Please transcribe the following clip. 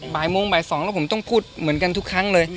บ่ายโมงบ่าย๒แล้วผมต้องพูดเหมือนกันทุกครั้งเลย